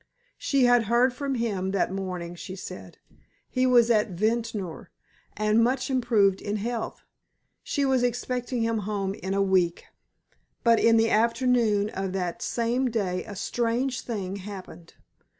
She had heard from him that morning, she said. He was at Ventnor, and much improved in health. She was expecting him home in a week. But in the afternoon of that same day a strange thing happened.